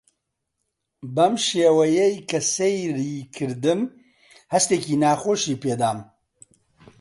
بەو شێوەیەی کە سەیری کردم هەستێکی ناخۆشی پێ دام.